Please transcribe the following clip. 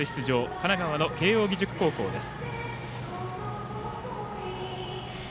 神奈川の慶応義塾高校です。